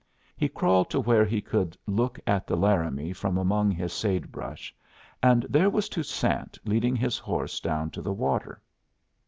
He crawled to where he could look at the Laramie from among his sagebrush, and there was Toussaint leading his horse down to the water.